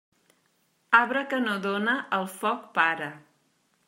Arbre que no dóna, al foc para.